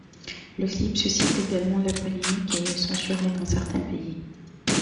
Le clip suscite également la polémique, et est censuré dans certains pays.